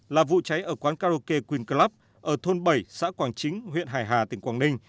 là vụ cháy ở quán karaoke queenclub ở thôn bảy xã quảng chính huyện hải hà tỉnh quảng ninh